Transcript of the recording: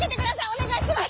おねがいします。